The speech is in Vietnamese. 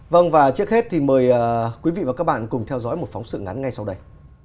vâng và trước hết thì mời quý vị và các bạn cùng theo dõi một phóng sự ngắn ngay sau đây